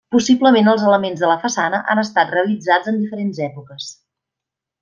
Possiblement els elements de la façana han estat realitzats en diferents èpoques.